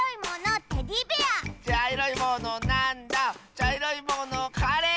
ちゃいろいものカレー！